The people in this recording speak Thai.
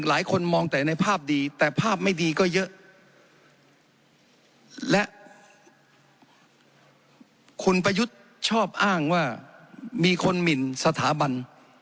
คุณประยุทธชอบอ้างว่ามีคนหมิ่นสถาบัน